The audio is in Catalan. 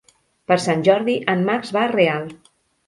Per Sant Jordi en Max va a Real.